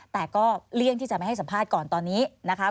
แต่ก็เลี่ยงที่จะไม่ให้สัมภาษณ์ก่อนตอนนี้นะคะ